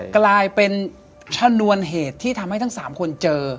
กลายเป็นชนวนเหตุที่ทำให้ทั้ง๓คนเจอ